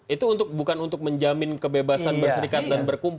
itu bukan untuk menjamin kebebasan berserikat dan berkumpul